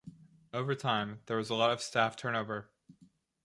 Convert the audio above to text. Over time, there was a lot of staff turnover.